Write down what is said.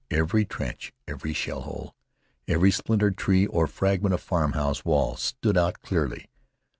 Every trench, every shell hole, every splintered tree or fragment of farmhouse wall stood out clearly.